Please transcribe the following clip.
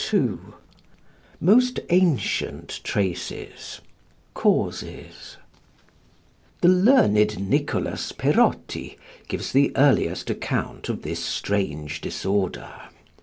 2 MOST ANCIENT TRACES CAUSES The learned Nicholas Perotti gives the earliest account of this strange disorder.